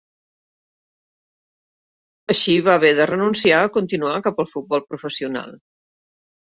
Així va haver de renunciar a continuar cap al futbol professional.